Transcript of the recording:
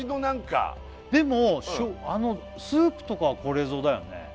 でもスープとかはこれぞだよね